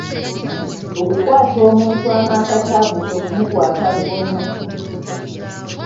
Okukwata omuntu amankatabbu kwe kumukwata lubona.